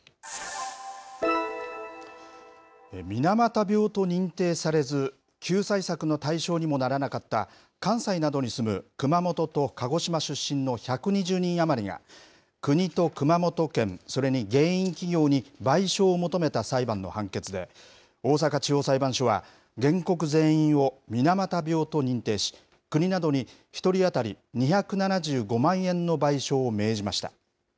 水俣病と認定されず、救済策の対象にもならなかった、関西などに住む熊本と鹿児島出身の１２０人余りが、国と熊本県、それに原因企業に賠償を求めた裁判の判決で、大阪地方裁判所は、原告全員を水俣病と認定し、国などに１人当たり２７５万円の賠償を命じました。